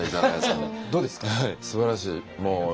すばらしい。